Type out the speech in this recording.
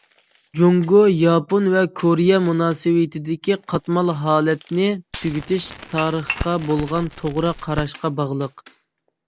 جۇڭگو، ياپونىيە ۋە كورېيە مۇناسىۋىتىدىكى قاتمال ھالەتنى تۈگىتىش تارىخقا بولغان توغرا قاراشقا باغلىق.